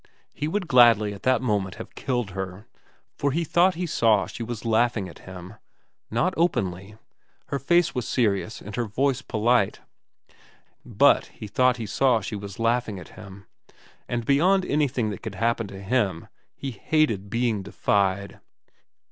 He would gladly at that moment have killed her, for he thought he saw she was laughing at him. Not openly. Her face was serious and her voice polite ; but he thought he saw she was laughing at him, and beyond anything that could happen to him he hated being defied.